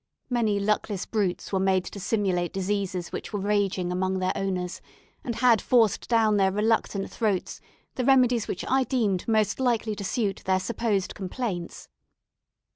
Many luckless brutes were made to simulate diseases which were raging among their owners, and had forced down their reluctant throats the remedies which I deemed most likely to suit their supposed complaints.